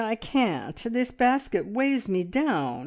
I can't. This basket weighs me down!"